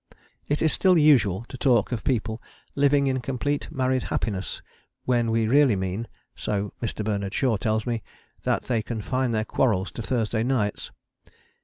It is still usual to talk of people living in complete married happiness when we really mean, so Mr. Bernard Shaw tells me, that they confine their quarrels to Thursday nights.